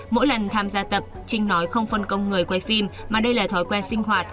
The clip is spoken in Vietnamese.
mỗi lần tham gia tập trinh nói không phân công người quay phim mà đây là thói quen sinh hoạt